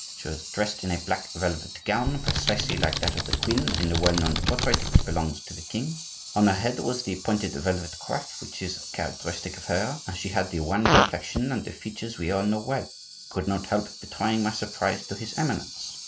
She was dressed in a black velvet gown, precisely like that of the queen in the well known portrait which belongs to the king; on her head was the pointed velvet coif, which is characteristic of her; and she had the wan complexion, and the features we all know well. I could not help betraying my surprise to his Eminence.